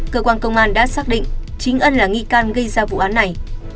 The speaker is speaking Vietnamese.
cơ quan công an đã xác định chính ân là nghi can gây ra vụ án này